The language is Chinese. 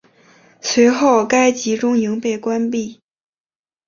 随后该集中营被关闭。